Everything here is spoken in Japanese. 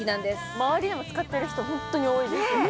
周りでも使ってる人、ホントに多いです。